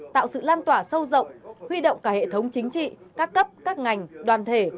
tạo sự lan tỏa sâu rộng huy động cả hệ thống chính trị các cấp các ngành đoàn thể